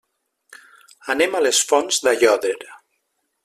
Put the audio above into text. Anem a les Fonts d'Aiòder.